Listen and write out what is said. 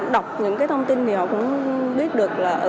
đọc những cái thông tin thì họ cũng biết được là